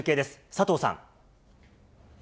佐藤さん。